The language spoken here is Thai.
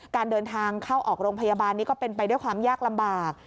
การเดินทางเข้าออกโรงพยาบาลนี้ก็เป็นไปด้วยความยากลำบาก